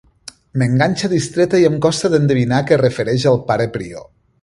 M'enganxa distreta i em costa endevinar que es refereix al pare prior.